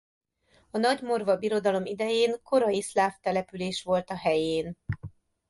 A Nagymorva Birodalom idején korai szláv település volt a helyén.